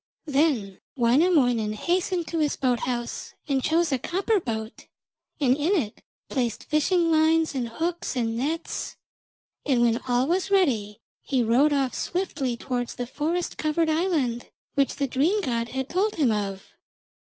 Then Wainamoinen hastened to his boat house, and chose a copper boat, and in it placed fishing lines and hooks and nets, and when all was ready he rowed off swiftly towards the forest covered island which the dream god had told him of.